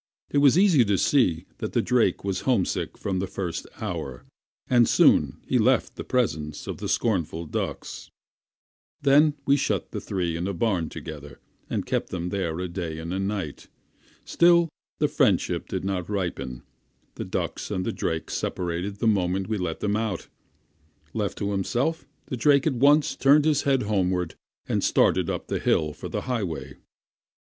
It was easy to see that the drake was homesick from the first hour, and he soon left the presence of the scornful ducks. Then we shut the three in the barn together, and kept them there a day and a night. Still the friendship did not ripen; the ducks and the drake separated the moment we let them out. Left to himself, the drake at once turned his head homeward, and started up the hill for the highway.